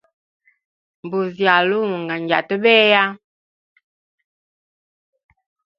Mbuzi ya lunga njyata beya.